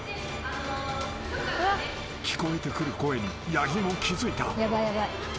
・［聞こえてくる声に八木も気付いた］